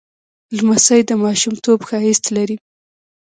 لمسی د ماشومتوب ښایست لري.